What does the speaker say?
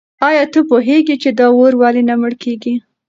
آیا ته پوهېږې چې دا اور ولې نه مړ کېږي؟